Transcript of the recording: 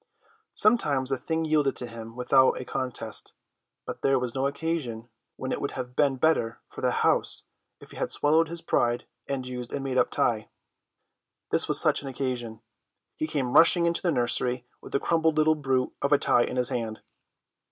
Sometimes the thing yielded to him without a contest, but there were occasions when it would have been better for the house if he had swallowed his pride and used a made up tie. This was such an occasion. He came rushing into the nursery with the crumpled little brute of a tie in his hand.